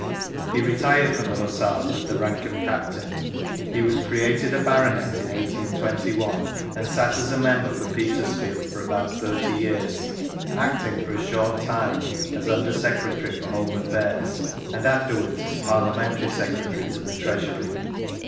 He retired from the Hussars with the rank of Captain. He was created a Baronet in 1821, and sat as member for Peters field for about thirty years, acting for a short time as Under Secretary for Home Affairs, and after wards as Parliamentary Secretary to the Treasury.